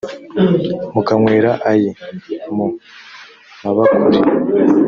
mukanywera ayi mu mabakure